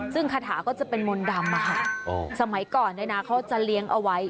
ซึ่งคาถาก็จะเป็นมนต์ดำสมัยก่อนเนี่ยนะเขาจะเลี้ยงเอาไว้